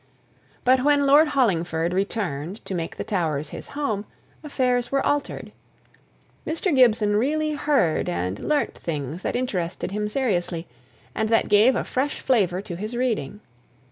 But when Lord Hollingford returned to make the Towers his home, affairs were altered. Mr. Gibson really heard and learnt things that interested him seriously, and that gave fresh flavour to his reading.